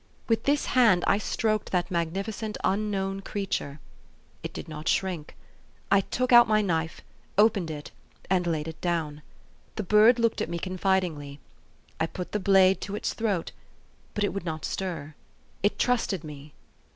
With this hand I stroked that magnifi cent, unknown creature. It did not shrink. I took out my knife, opened it, laid it down. The bird looked at me confidingly. I put the blade to its throat; but it would not stir. It trusted me.